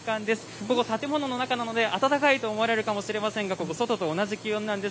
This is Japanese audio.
ここ、建物の中なので暖かいと思われるかもしれませんが、ここ、外と同じ気温なんです。